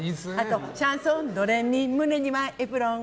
シャンソン、ドレミ胸にはエプロン。